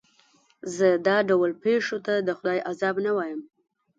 زه دا ډول پېښو ته د خدای عذاب نه وایم.